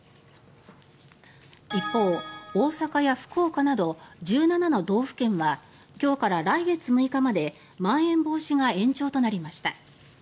一方、大阪や福岡など１７の道府県は今日から来月６日までまん延防止が延長となりました。